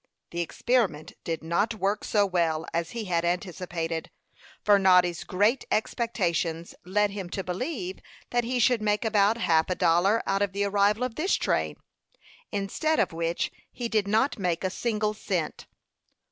The experiment did not work so well as he had anticipated, for Noddy's great expectations led him to believe that he should make about half a dollar out of the arrival of this train, instead of which he did not make a single cent.